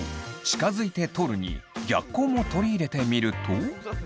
近づいて撮るに逆光も取り入れてみると。